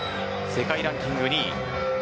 世界ランキング２位です。